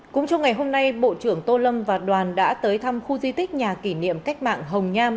cũng trong ngày hôm nay bộ trưởng tô lâm và đoàn đã tới thăm khu di tích nhà kỷ niệm cách mạng hồng nham